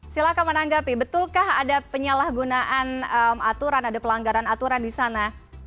silahkan menanggapi betulkah ada penyalahgunaan aturan ada pelanggaran aturan di sana